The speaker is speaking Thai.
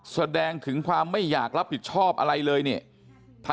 แสดงถึงความไม่อยากรับผิดชอบอะไรเลยเนี่ย